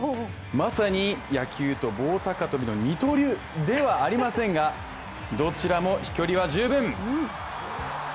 まさに野球と棒高跳びの二刀流ではありませんがどちらも飛距離は十分。